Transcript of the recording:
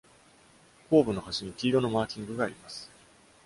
後部の端に黄色のマーキングがあります。